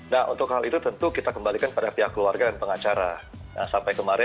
nah untuk hal itu tentu kita kembalikan pada pihak keluarga dan pengacara